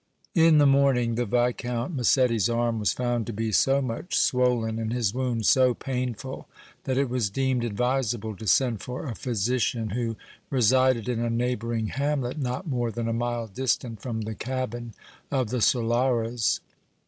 In the morning the Viscount Massetti's arm was found to be so much swollen and his wound so painful that it was deemed advisable to send for a physician, who resided in a neighboring hamlet not more than a mile distant from the cabin of the Solaras.